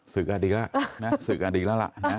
สื่อการดีล่ะสื่อการดีล่ะละ